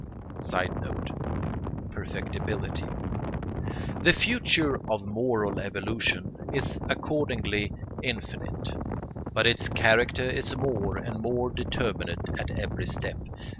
[Sidenote: Perfectibility.] The future of moral evolution is accordingly infinite, but its character is more and more determinate at every step.